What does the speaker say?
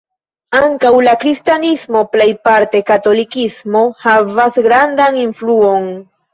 Ankaŭ la kristanismo (plejparte katolikismo) havas grandan influon.